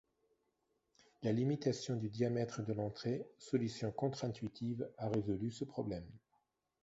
La limitation du diamètre de l’entrée, solution contre-intuitive, a résolu ce problème.